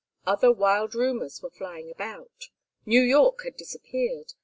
Other wild rumors were flying about. New York had disappeared.